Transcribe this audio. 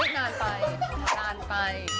นานไปนานไป